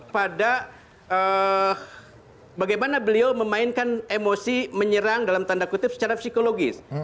pada bagaimana beliau memainkan emosi menyerang dalam tanda kutip secara psikologis